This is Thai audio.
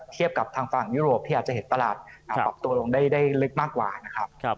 เทียบกับฟังยุโรปที่อาจจะเห็นตลาดปรับตัวลงได้ลึกมากกว่า